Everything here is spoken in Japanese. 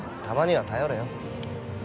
たまには頼れよ。